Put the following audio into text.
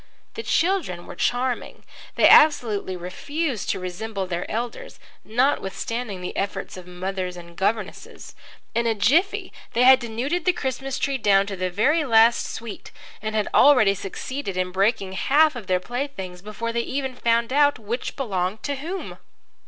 The children were charming. They absolutely refused to resemble their elders, notwithstanding the efforts of mothers and governesses. In a jiffy they had denuded the Christmas tree down to the very last sweet and had already succeeded in breaking half of their playthings before they even found out which belonged to whom.